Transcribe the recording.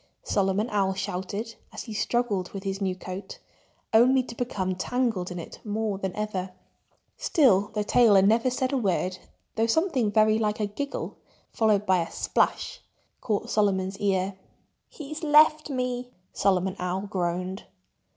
Solomon Owl shouted, as he struggled with his new coat, only to become tangled in it more than ever. Still, the tailor said never a word, though something very like a giggle, followed by a splash, caught Solomon's ear. "He's left me!" Solomon Owl groaned.